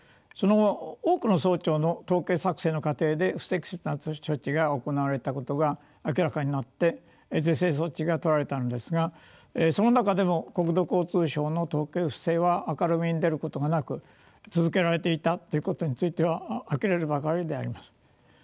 その後多くの省庁の統計作成の過程で不適切な処置が行われたことが明らかになって是正措置が取られたのですがその中でも国土交通省の統計不正は明るみに出ることがなく続けられていたということについてはあきれるばかりであります。